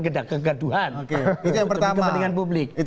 kegaduhan itu kepentingan publik